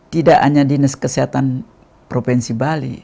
tidak hanya dinas kesehatan provinsi bali